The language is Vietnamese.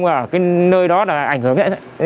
ở cái nơi đó là ảnh hưởng